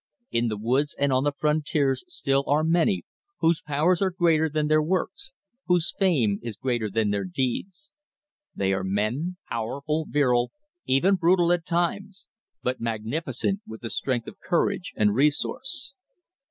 In the woods and on the frontier still are many whose powers are greater than their works; whose fame is greater than their deeds. They are men, powerful, virile, even brutal at times; but magnificent with the strength of courage and resource.